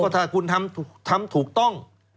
ถ้าคุณทำถูกต้อง